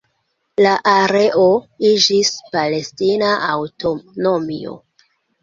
La areo iĝis palestina aŭtonomio.